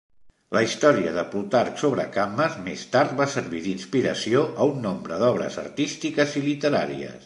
La història de Plutarc sobre Camma més tard va servir d'inspiració a un nombre d'obres artístiques i literàries.